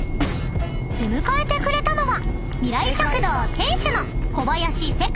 ［出迎えてくれたのは］